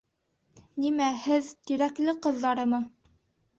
Нимә, һеҙ Тирәкле ҡыҙҙарымы?